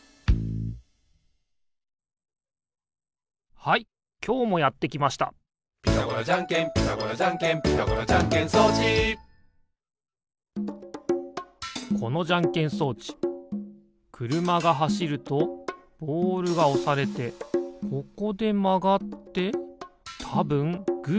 はいきょうもやってきました「ピタゴラじゃんけんピタゴラじゃんけん」「ピタゴラじゃんけん装置」このじゃんけん装置くるまがはしるとボールがおされてここでまがってたぶんグーがでる。